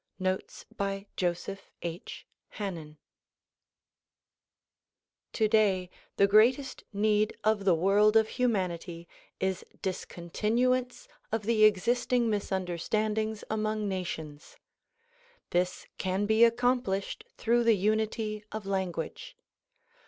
Nof.es by Joseph H. Hannen TODAY the greatest need of the world of humanity is discon tinuance of the existing misunderstandings among nations. This can be accomplished through the unity of language.